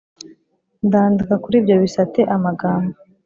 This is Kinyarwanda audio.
ndandika kuri ibyo bisate amagambo